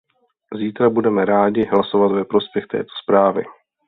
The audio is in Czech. Zítra budeme rádi hlasovat ve prospěch této zprávy.